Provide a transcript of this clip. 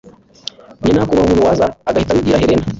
jye nakubaha umuntu waza agahita abimbwira helen